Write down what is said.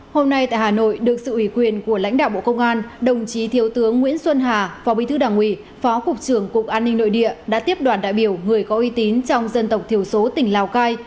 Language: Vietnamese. hôm nay tại hà nội được sự ủy quyền của lãnh đạo bộ công an đồng chí thiếu tướng nguyễn xuân hà phó bí thư đảng ủy phó cục trưởng cục an ninh nội địa đã tiếp đoàn đại biểu người có uy tín trong dân tộc thiểu số tỉnh lào cai